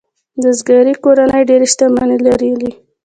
بزګري کورنۍ ډېرې شتمنۍ لرلې.